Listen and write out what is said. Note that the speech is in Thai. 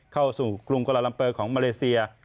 เข้าสู่กรุงกลาลัมเปอร์ของมาเลเซีย